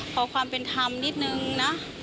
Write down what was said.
ขอความเป็นธรรมนิดนึงนะ